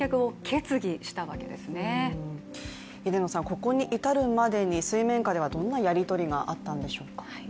ここに至るまでに水面下ではどんなやり取りがあったんでしょうか。